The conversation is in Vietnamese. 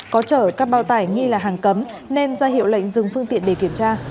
có chở các bao tải nghi là hàng cấm nên ra hiệu lệnh dừng phương tiện để kiểm tra